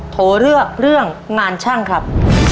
โถเลือกเรื่องงานช่างครับ